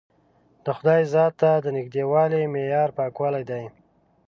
د خدای ذات ته د نژدېوالي معیار پاکوالی دی.